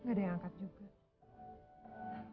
gak ada yang angkat juga